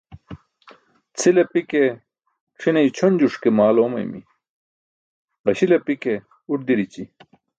Cʰil api ke c̣ʰine ićʰonjuş ke maal oomaymi, ġaśil api ke uṭ dirici.